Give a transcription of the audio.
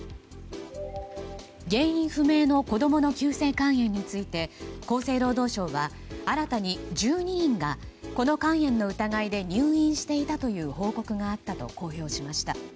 原因不明の子供の急性肝炎について厚生労働省は新たに１２人がこの肝炎の疑いで入院していたという報告があったと公表しました。